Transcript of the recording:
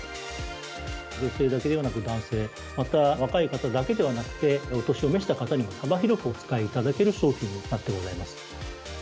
女性だけではなく、男性、また若い方だけではなくて、お年を召した方にも、幅広くお使いいただける商品になっております。